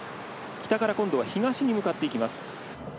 北から東に向かっていきます。